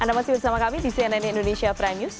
anda masih bersama kami di cnn indonesia prime news